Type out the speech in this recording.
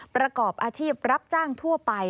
ประกอบอาชีพรับจ้างทั่วไป